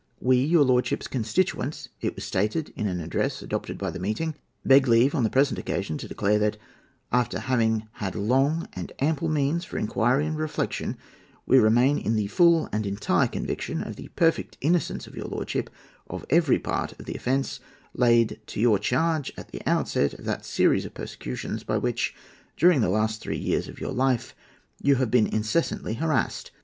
"We, your lordship's constituents," it was stated in an address adopted by that meeting, "beg leave, on the present occasion, to declare that, after having had long and ample means for inquiry and reflection, we remain in the full and entire conviction of the perfect innocence of your lordship of every part of the offence laid to your charge at the outset of that series of persecutions by which, during the last three years of your life, you have been incessantly harassed.